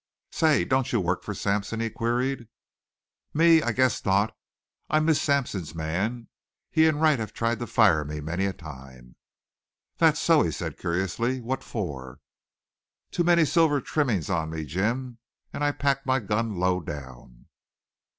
"Say, don't you work for Sampson?" he queried. "Me? I guess not. I'm Miss Sampson's man. He and Wright have tried to fire me many a time." "Thet so?" he said curiously. "What for?" "Too many silver trimmings on me, Jim. And I pack my gun low down."